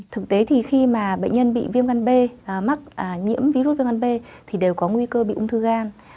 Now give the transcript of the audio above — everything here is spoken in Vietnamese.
thực tế thì khi mà bệnh nhân bị viêm gan b nhiễm virus viêm gan b thì đều có nguy cơ bị ung thư gan